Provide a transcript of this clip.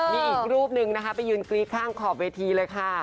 มีอีกรูปนึงนะคะไปยืนกรี๊ดข้างขอบเวทีเลยค่ะ